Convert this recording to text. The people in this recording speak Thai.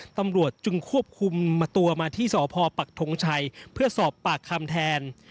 ตำรวจจึงควบคุมตัวมาที่สพปักทงชัยเพื่อสอบปากคำแทน